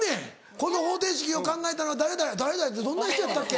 この方程式を考えたのは誰々誰々ってどんな人やったっけ？